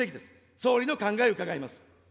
総理の考えを伺います。